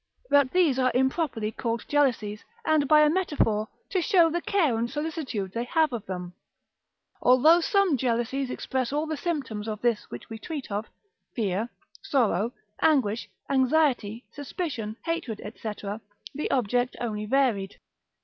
But these are improperly called jealousies, and by a metaphor, to show the care and solicitude they have of them. Although some jealousies express all the symptoms of this which we treat of, fear, sorrow, anguish, anxiety, suspicion, hatred, &c., the object only varied.